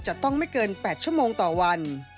จะต้องไม่เกิน๘ชั่วโมงต่อวัน